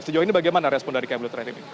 sejauh ini bagaimana respon dari kembu terakhir ini